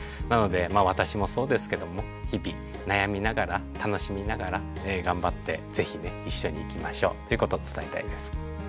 なのでまあ私もそうですけども日々悩みながら楽しみながら頑張って是非ね一緒にいきましょうということを伝えたいです。